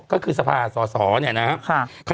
ก็คือสภาสอสอเนี่ยนะครับ